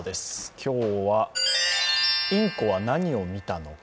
今日は、インコは何を見たのか。